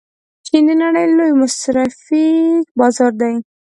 چین د نړۍ لوی مصرفي بازار لري.